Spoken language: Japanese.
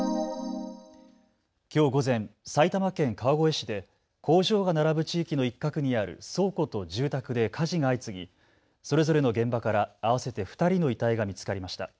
きょう午前、埼玉県川越市で工場が並ぶ地域の一角にある倉庫と住宅で火事が相次ぎそれぞれの現場から合わせて２人の遺体が見つかりました。